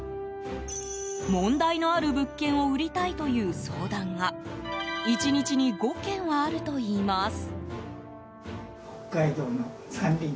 問題のある物件を売りたいという相談が１日に５件はあるといいます。